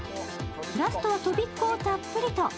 ラストはとびっこをたっぷりと。